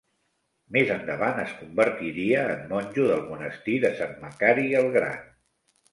Més endavant es convertiria en monjo del Monestir de Sant Macari el Gran.